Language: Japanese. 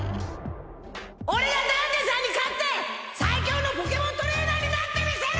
俺がダンデさんに勝って最強のポケモントレーナーになってみせる！